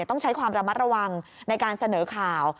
ต้องใช้ความระมัดระวังในการเสนอข่าว